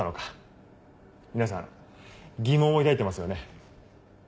皆さん疑問を抱いてますよね。